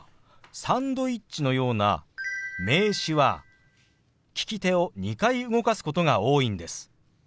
「サンドイッチ」のような名詞は利き手を２回動かすことが多いんです。